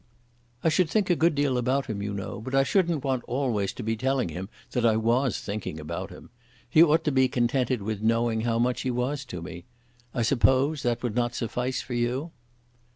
"I should think a good deal about him, you know; but I shouldn't want always to be telling him that I was thinking about him. He ought to be contented with knowing how much he was to me. I suppose that would not suffice for you?"